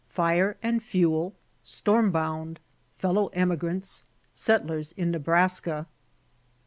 FIRE AND FUEL — STORM BOUND — FELI.OW EMIGRANTS — SETTLERS IN NEBRASKA.